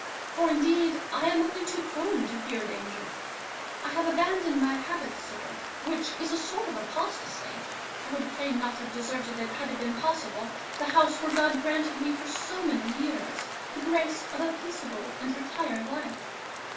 For indeed, I am only too prone to fear danger. I have abandoned my habit, sir, which is a sort of apostasy; I would fain not have deserted, had it been possible, the House where God granted me for so many years the grace of a peaceable and retired life.